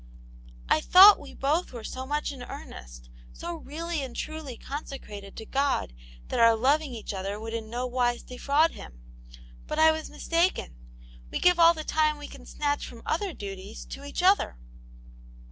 " I thought we both were so much in earnest, so really and truly consecrated to God tbat our loving each other would in no wise defraud Him, But I was mistaken. We give all the time we can snatch from other duties, to each other."